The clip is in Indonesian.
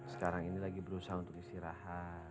sekarang ini lagi berusaha untuk istirahat